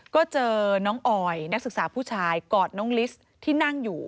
ก็เจอน้องออยนักศึกษาผู้ชายกอดน้องลิสที่นั่งอยู่